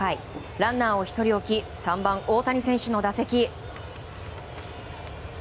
ランナーを１人置き３番、大谷選手の打席。